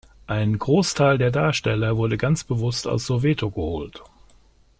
Ein Großteil der Darsteller wurde ganz bewusst aus Soweto geholt.